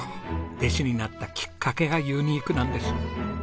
弟子になったきっかけがユニークなんです。